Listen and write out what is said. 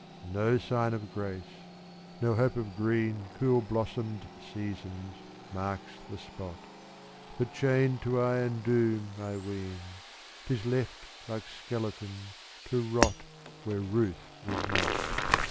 No sign of grace no hope of green, Cool blossomed seasons marks the spot; But chained to iron doom, I ween, 'Tis left, like skeleton, to rot Where ruth is not.